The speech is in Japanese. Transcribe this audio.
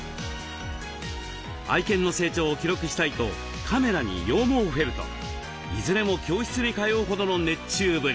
愛犬の成長を記録したいとカメラに羊毛フェルトいずれも教室に通うほどの熱中ぶり。